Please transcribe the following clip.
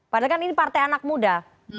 padahal kan ini partai anak muda